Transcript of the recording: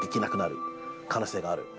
可能性がある。